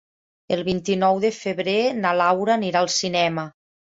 El vint-i-nou de febrer na Laura anirà al cinema.